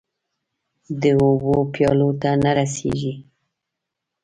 د اوبو پیالو ته نه رسيږې